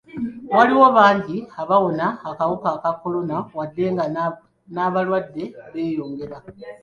Waliwo bangi abawona akawuka ka kolona wadde nga n'abalwadde beeyongera.